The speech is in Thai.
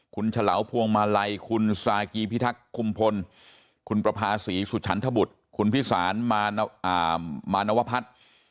คุณฉลาวพวงมาลัยคุณซากีพิทักษ์คุมพลคุณประภาษีสุฉันทบุตรคุณพิสารมานวพัฒน์